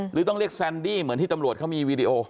หรือต้องเรียกแซนดี้เหมือนที่ตำรวจเขามีวีดีโอ